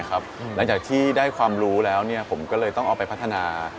หลังจากที่ได้ความรู้แล้วผมก็เลยต้องเอาไปพัฒนา